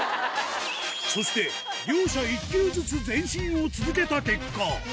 そして両者１球ずつ前進を続けた結果。